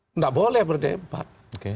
tidak boleh berdebat